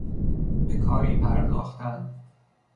به کاری پرداختن